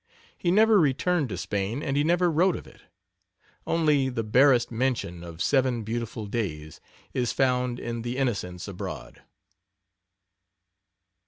He never returned to Spain, and he never wrote of it. Only the barest mention of "seven beautiful days" is found in The Innocents Abroad.